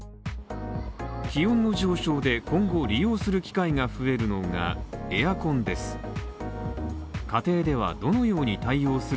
気温の上昇で今後、利用する機会が増えるのが、エアコンです。